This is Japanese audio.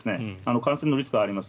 感染のリスクはあります。